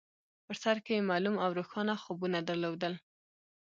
په سر کې يې معلوم او روښانه خوبونه درلودل.